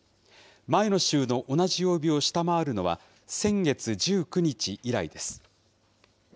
前の週の同じ曜日を下回るのは、先月１９日以来です。